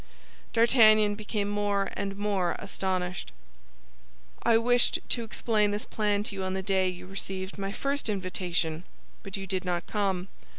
D'Artagnan became more and more astonished. "I wished to explain this plan to you on the day you received my first invitation; but you did not come.